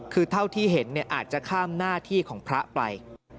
คือเท่าที่เห็นอาจจะข้ามหน้าที่ของพระไป